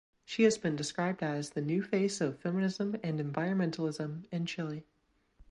She has been described as "the new face of feminism and environmentalism" in Chile.